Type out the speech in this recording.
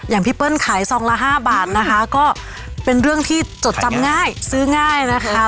พี่เปิ้ลขายซองละ๕บาทนะคะก็เป็นเรื่องที่จดจำง่ายซื้อง่ายนะคะ